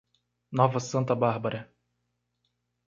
Nova Santa Bárbara